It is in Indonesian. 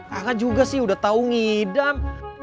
kangen juga sih udah tau ngidam